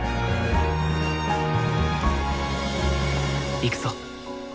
行くぞ。